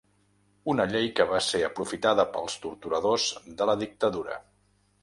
Una llei que va ser aprofitada pels torturadors de la dictadura.